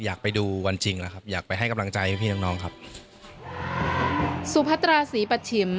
อยากไปดูวันจริงแล้วครับอยากไปให้กำลังใจพี่น้องครับ